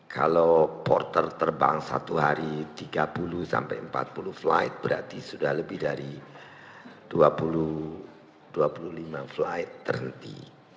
kalau porter terbang satu hari tiga puluh sampai empat puluh flight berarti sudah lebih dari dua puluh lima flight terhenti